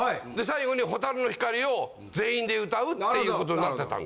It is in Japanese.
最後に『蛍の光』を全員で歌うっていうことになってた。